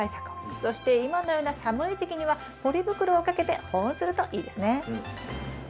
そして今のような寒い時期にはポリ袋をかけて保温するといいですね。